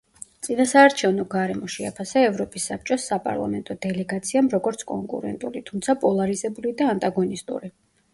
წინასაარჩევნო გარემო შეაფასა ევროპის საბჭოს საპარლამენტო დელეგაციამ როგორც კონკურენტული, თუმცა პოლარიზებული და ანტაგონისტური.